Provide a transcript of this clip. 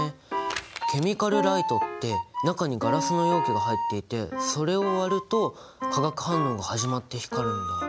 ケミカルライトって中にガラスの容器が入っていてそれを割ると化学反応が始まって光るんだ。